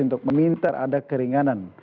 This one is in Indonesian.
untuk meminta ada keringanan